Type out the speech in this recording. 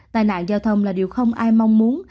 tai nạn giao thông là điều không ai mong muốn